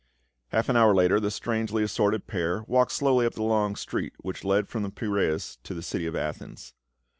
335 Half an hour later the strangely assorted pair walked slowly up the long street which led from the Piraeus to the city of Athens.